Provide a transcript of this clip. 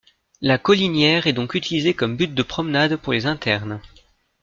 La Colinière est donc utilisée comme but de promenade pour les internes.